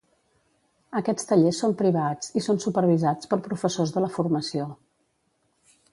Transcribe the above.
Aquests tallers són privats i són supervisats per professors de la Formació.